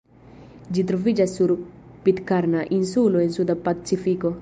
Ĝi troviĝas sur Pitkarna insulo en suda Pacifiko.